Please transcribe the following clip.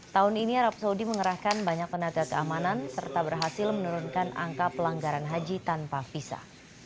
tahun ini arab saudi mengerahkan banyak tenaga keamanan serta berhasil menurunkan angka pelanggaran haji tanpa visa